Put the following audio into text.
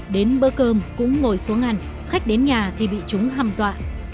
đến bữa cơm cũng ngồi xuống ăn khách đến nhà thì bị chúng hăm dọa